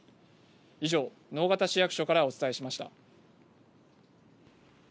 以上、直方市役所からお伝えしました。